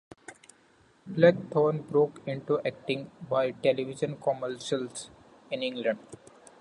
Blackthorne broke into acting via television commercials in England.